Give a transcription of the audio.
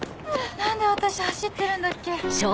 何で私走ってるんだっけ